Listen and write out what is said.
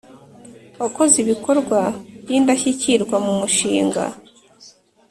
wakoze ibikorwa by’indashyikirwa mu mushinga